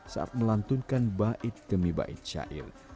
saat melantunkan bait demi bait syair